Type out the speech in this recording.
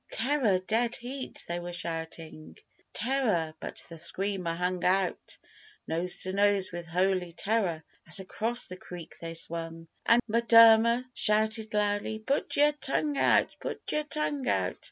'Terror!' 'Dead heat!' they were shouting 'Terror!' but the Screamer hung out Nose to nose with Holy Terror as across the creek they swung, An' M'Durmer shouted loudly, 'Put yer tongue out! put yer tongue out!